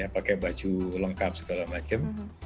pakai baju lengkap segala macam